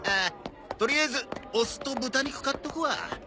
とりあえずお酢と豚肉買っとくわ。